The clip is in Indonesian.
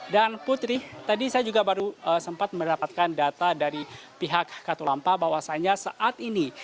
dan putri tadi saya juga baru sempat mendapatkan data dari pihak katulampa bahwasannya saat ini